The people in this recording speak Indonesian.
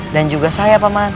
dan juga saya pak man